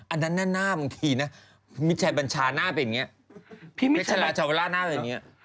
อันนั้นหน้าบางทีนะมิชลาชาวราชหน้าเป็นอย่างนี้